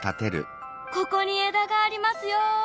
ここに枝がありますよ。